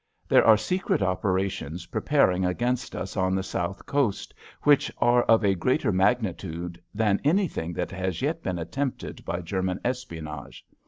There are secret operations preparing against us on the South Coast, which are of a greater magnitude than anything that has yet been attempted by German espionage.